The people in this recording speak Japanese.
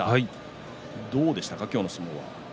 どうでしたか、今日の相撲は。